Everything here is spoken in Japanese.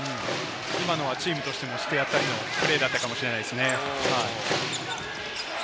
今のはチームとしてもしてやったりのプレーだったかもしれないですね。